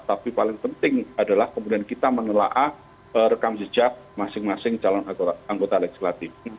tapi paling penting adalah kemudian kita menelaah rekam jejak masing masing calon anggota legislatif